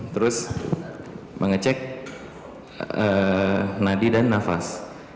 terus mengecek nadi dan nafas